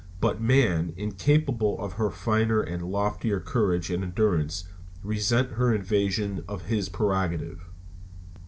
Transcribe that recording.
But man, incapable of her finer and loftier courage and endurance, resents her invasion of his prerogative.